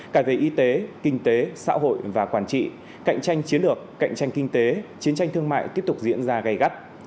cả về y tế kinh tế xã hội và quản trị cạnh tranh chiến lược cạnh tranh kinh tế chiến tranh thương mại tiếp tục diễn ra gây gắt